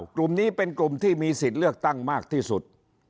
กลุ่มนี้เป็นกลุ่มที่มีสิทธิ์เลือกตั้งมากที่สุด